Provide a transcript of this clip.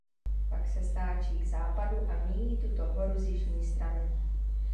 Pak se stáčí k západu a míjí tuto horu z jižní strany.